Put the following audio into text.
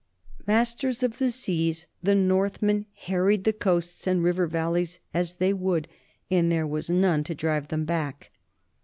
Mas ters of the seas, the Northmen harried the coasts and river valleys as they would, and there was none to drive them back.